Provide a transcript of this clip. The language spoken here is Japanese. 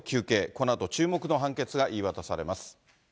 このあと注目の判決が言い渡されます。